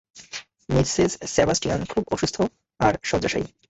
Mrs Sebastian খুব অসুস্থ আর শয্যাশায়ী।